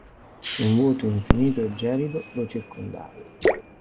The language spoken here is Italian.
Un vuoto infinito e gelido lo circondava.